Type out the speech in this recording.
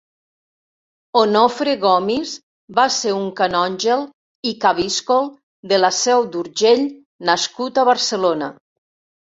Onofre Gomis va ser un canonge i cabiscol de la Seu d'Urgell nascut a Barcelona.